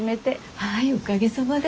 はいおかげさまで。